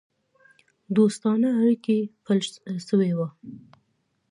دوستانه اړېکي پیل سوي وه.